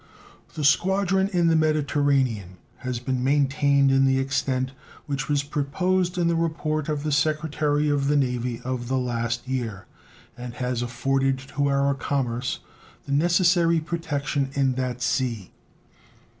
The squadron in the Mediterranean has been maintained in the extent which was proposed in the report of the Secretary of the Navy of the last year, and has afforded to our commerce the necessary protection in that sea.